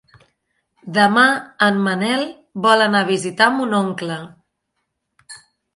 Demà en Manel vol anar a visitar mon oncle.